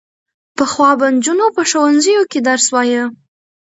پخوا به نجونو په ښوونځیو کې درس وايه.